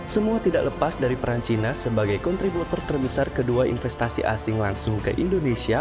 semua tidak lepas dari peran cina sebagai kontributor terbesar kedua investasi asing langsung ke indonesia